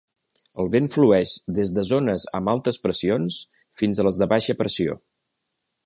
El vent flueix des de zones amb altes pressions fins a les de baixa pressió.